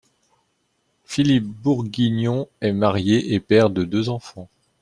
Philippe Bourguignon est marié et père de deux enfants.